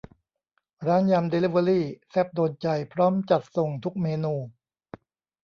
ร้านยำเดลิเวอรี่ แซ่บโดนใจ พร้อมจัดส่งทุกเมนู